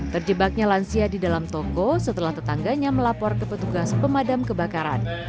terjebaknya lansia di dalam toko setelah tetangganya melapor ke petugas pemadam kebakaran